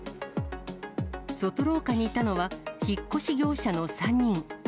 外廊下にいたのは、引っ越し業者の３人。